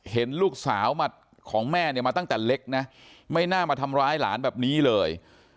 เห็นลูกสาวของแม่เนี่ยมาตั้งแต่เล็กนะไม่น่ามาทำร้ายหลานแบบนี้เลย